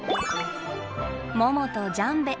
モモとジャンベ。